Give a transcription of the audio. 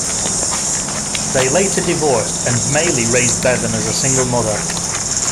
They later divorced and Maely raised Bevan as a single mother.